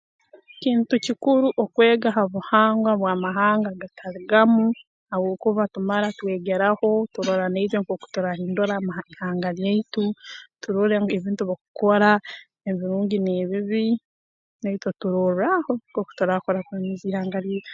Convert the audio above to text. Kintu kikuru okwega ha buhangwa bw'amahanga agatali gamu habwokuba tumara twegeraho turora naitwe nkooku turaahundura amaha ihanga lyaitu turole ngu ebintu ebi bakukora ebirungi n'ebibi naitwe turorre aho nkooku turakurakuraniza ihanga lyaitu